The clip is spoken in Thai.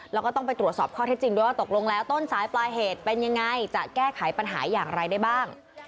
แล้วก็ต้องไปตรวจสอบข้อเท็จจริงด้วยว่าตกลงแล้วต้นสายปลายเหตุเป็นยังไงจะแก้ไขปัญหาอย่างไรได้บ้าง